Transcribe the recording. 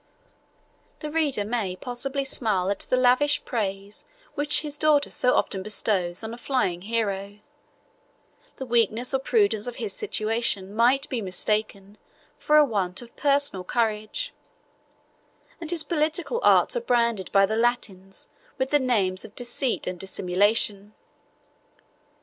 The reader may possibly smile at the lavish praise which his daughter so often bestows on a flying hero: the weakness or prudence of his situation might be mistaken for a want of personal courage; and his political arts are branded by the Latins with the names of deceit and dissimulation.